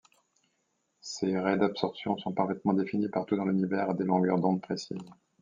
Ces raies d’absorption sont parfaitement définies partout dans l’Univers à des longueurs d’onde précises.